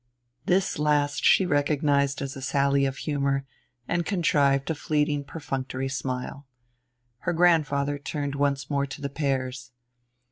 This last she recognized as a sally of humor, and contrived a fleeting perfunctory smile. Her grandfather turned once more to the pears.